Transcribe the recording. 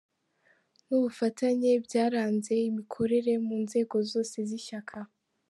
n’ubufatanye byaranze imikorere mu nzego zose z’Ishyaka .